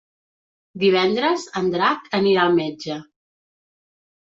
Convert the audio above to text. Divendres en Drac anirà al metge.